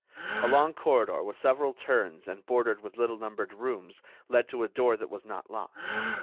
A long corridor with several turns and bordered with little numbered rooms led to a door that was not locked.